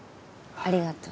ありがとう。